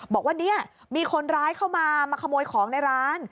บอกว่าเนี่ยมีคนร้ายเข้ามามาขโมยของในร้าน